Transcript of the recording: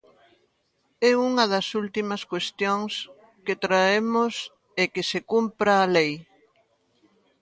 E unha das últimas cuestións que traemos é que se cumpra a lei.